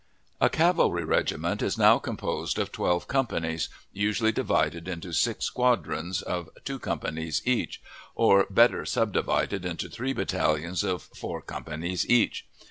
A cavalry regiment is now composed of twelve companies, usually divided into six squadrons, of two companies each, or better subdivided into three battalions of four companies each.